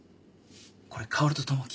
これ薫と友樹。